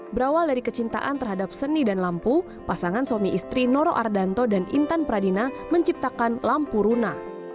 berawal dari kecintaan terhadap seni dan lampu pasangan suami istri noro ardanto dan intan pradina menciptakan lampu runa